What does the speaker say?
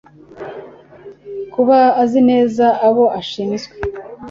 kuba azi neza abo ashinzwe